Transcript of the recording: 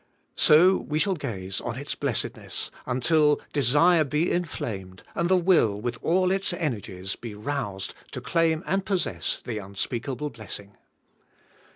So we shall gaze on its blessedness, until desire be inflamed, and the will with all its energies be roused to claim and possess the unspeakable bless ing.